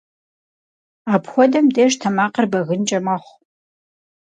Апхуэдэм деж тэмакъыр бэгынкӏэ мэхъу.